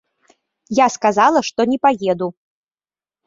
Я сказала, што не паеду.